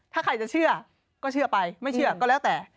ถ้าใครจะเชื่อก็เชื่อไปไม่เชื่อก็แล้วแต่